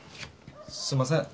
すんません。